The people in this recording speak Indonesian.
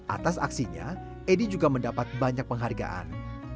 atas aksinya edi juga mendapat banyak penghargaan